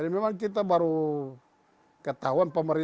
ini tidak akan sampai